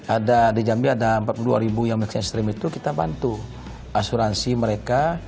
ada di jambi ada empat puluh dua ribu yang maxstream itu kita bantu asuransi mereka